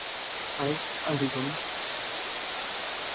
আরে, আঙ্কেল টমি!